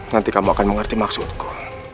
nanti kamu akan mengerti maksudku